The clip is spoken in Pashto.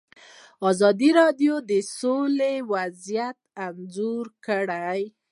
ازادي راډیو د سوله وضعیت انځور کړی.